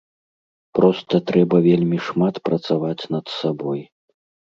Проста трэба вельмі шмат працаваць над сабой.